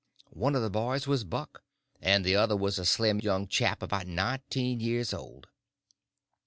One of the boys was Buck, and the other was a slim young chap about nineteen years old.